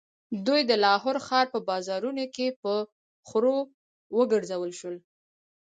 دوی د لاهور ښار په بازارونو کې په خرو وګرځول شول.